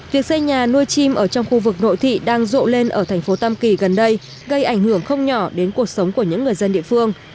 việc xây nhà nuôi chim ở trong khu vực nội thị đang rộ lên ở thành phố tam kỳ gần đây gây ảnh hưởng không nhỏ đến cuộc sống của những người dân địa phương